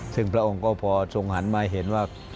ซึ่งพระองค์ก็พอทรงหันมาเห็นว่า